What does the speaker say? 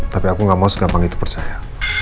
tapi aku gak mau segampang itu percaya